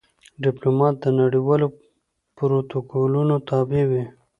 ډيپلومات د نړېوالو پروتوکولونو تابع وي.